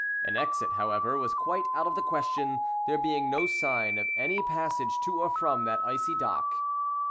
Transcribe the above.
An exit, however, was quite out of the question; there being no sign of any passage to or from that icy dock.